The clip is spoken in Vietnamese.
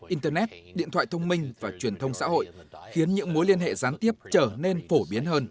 internet điện thoại thông minh và truyền thông xã hội khiến những mối liên hệ gián tiếp trở nên phổ biến hơn